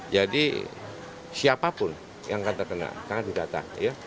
jadi siapapun yang akan terkena akan didata